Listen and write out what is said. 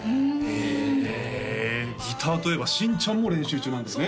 へえギターといえば新ちゃんも練習中なんだよね？